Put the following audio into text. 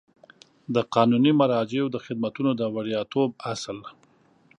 د قانوني مراجعو د خدمتونو د وړیاتوب اصل